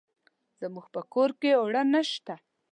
زموږ په کور کې اوړه نشته.